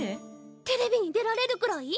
テレビに出られるくらい？